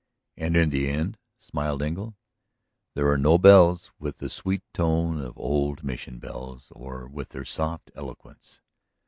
"And in the end," smiled Engle, "there are no bells with the sweet tone of old Mission bells, or with their soft eloquence."